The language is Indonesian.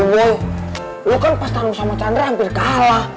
gue kan pas tanu sama chandra hampir kalah